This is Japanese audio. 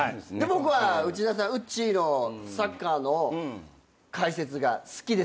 僕はうっちーのサッカーの解説が好きです。